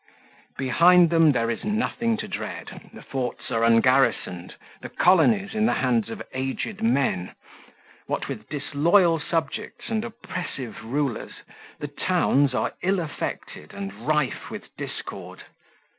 Behind them there is nothing to dread. The forts are ungarrisoned; the colonies in the hands of aged men; what with disloyal subjects and oppressive rulers, the towns are ill affected and rife with discord.